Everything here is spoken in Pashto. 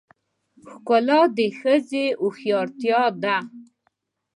ښکلا د ښځې هوښیارتیا ده .